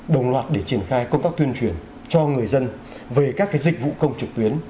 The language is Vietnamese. đồng loạt để triển khai công tác tuyên truyền cho người dân về các dịch vụ công trực tuyến